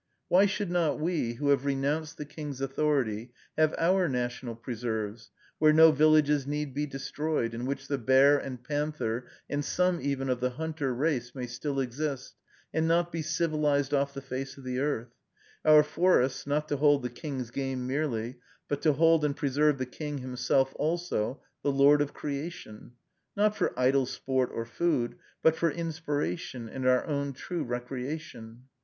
Why should not we, who have renounced the king's authority, have our national preserves, where no villages need be destroyed, in which the bear and panther, and some even of the hunter race, may still exist, and not be "civilized off the face of the earth," our forests, not to hold the king's game merely, but to hold and preserve the king himself also, the lord of creation, not for idle sport or food, but for inspiration and our own true recreation?